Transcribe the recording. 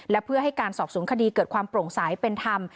และเพื่อให้การสอบสวนคดีเกิดความโปร่งใสเป็นธรรม